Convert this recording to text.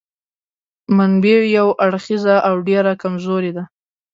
منبع یو اړخیزه او ډېره کمزورې ده.